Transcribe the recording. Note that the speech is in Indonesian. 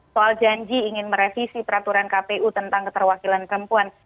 soal janji ingin merevisi peraturan kpu tentang keterwakilan perempuan